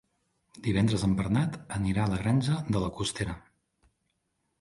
Divendres en Bernat anirà a la Granja de la Costera.